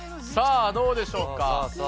さぁどうでしょうか？